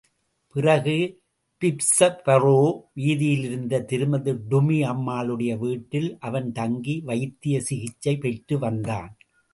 பிறகு பிப்ஸ்பரோ வீதியிலிருந்த திருமதி டுமி அம்மாளுடைய வீட்டில் அவன்தங்கி வைத்திய சிகிச்சை பெற்று வந்தான்.